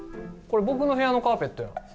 これ僕の部屋のカーペットやん。